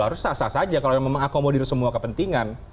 harus sah sah saja kalau memang mengakomodir semua kepentingan